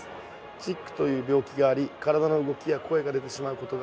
「チックという病気があり身体の動きや声が出てしまう事が」